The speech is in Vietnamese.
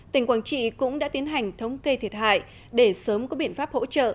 tỉnh quảng trị cũng đã tiến hành thống kê thiệt hại để sớm có biện pháp hỗ trợ